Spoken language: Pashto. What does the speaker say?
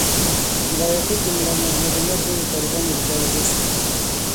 ملا یعقوب، د ملا محمد عمر زوی، د طالبانو د دفاع وزیر شو.